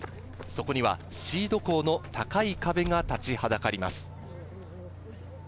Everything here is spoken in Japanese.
そこにはシード校の高い壁が立ちはだかります。